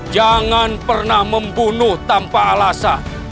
jangan pernah membunuh tanpa alasan